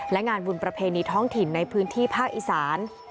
และงานบุญประเพณีท้องถิ่นในพื้นที่ภาคอีสาน